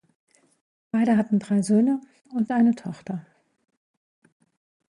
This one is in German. Beide hatten drei Söhne und eine Tochter.